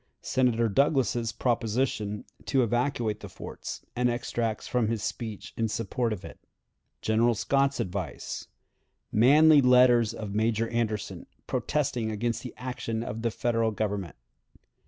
Senator Douglas's Proposition to evacuate the Forts, and Extracts from his Speech in Support of it. General Scott's Advice. Manly Letter of Major Anderson, protesting against the Action of the Federal Government.